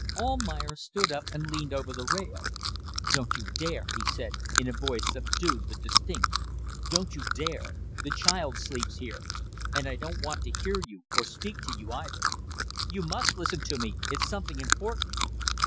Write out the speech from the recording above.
Almayer stood up and leaned over the rail. "Don't you dare," he said, in a voice subdued but distinct. "Don't you dare! The child sleeps here. And I don't want to hear you or speak to you either." "You must listen to me! It's something important."